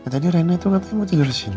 tadi reyna itu katanya mau tidur sini